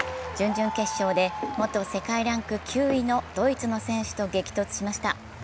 準々決勝で元世界ランク９位のドイツの選手と激突しました。